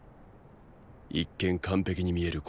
一見完璧に見える